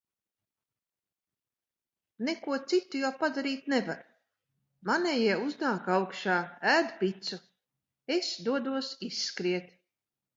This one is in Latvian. Neko citu jau padarīt nevar. Manējie uznāk augšā, ēd picu. Es dodos izskriet.